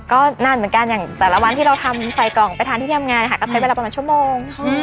ก็นานเหมือนกันอย่างแต่ละวันที่เราทำใส่กล่องไปทานที่ทำงานนะคะก็ใช้เวลาประมาณชั่วโมง